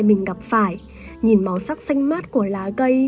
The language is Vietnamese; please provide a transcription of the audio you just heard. mình phải chăm sóc bông hoa